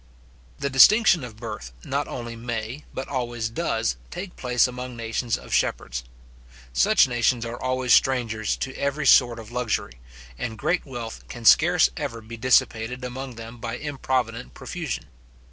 The distinction of birth not only may, but always does, take place among nations of shepherds. Such nations are always strangers to every sort of luxury, and great wealth can scarce ever be dissipated among them by improvident profusion.